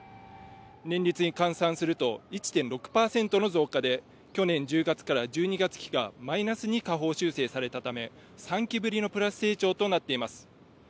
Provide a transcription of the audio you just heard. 年率に換算すると１．６％の増加で、去年１０月から１２月期がマイナスに下方修正されたため、３期ぶりのプラス成長となっています。